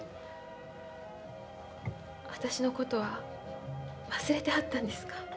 私のことは忘れてはったんですか？